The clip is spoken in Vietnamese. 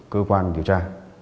cơ quan điều tra